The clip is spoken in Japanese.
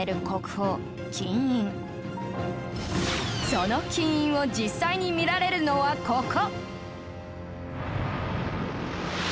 その金印を実際に見られるのはここ